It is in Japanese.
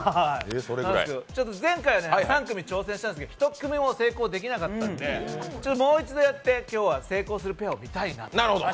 前回は３組挑戦したんですけど１組も成功できなかったんでもう一度やって、今日は成功するペアを見たいなと。